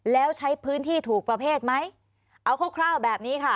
แล้วใช้พื้นที่ถูกประเภทไหมเอาคร่าวแบบนี้ค่ะ